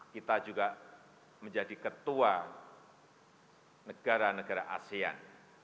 kita juga menjadi ketua negara negara asean